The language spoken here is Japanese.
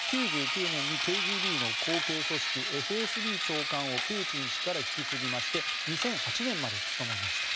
１９９２年にプーチン氏から後継組織ＦＳＢ長官とプーチン氏から引き継ぎまして２００８年まで務めました。